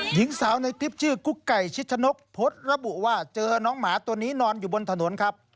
หญิงสาวในคลิปชื่อกุ๊กไก่ชิชนกโพสต์ระบุว่าเจอน้องหมาตัวนี้นอนอยู่บนถนนครับ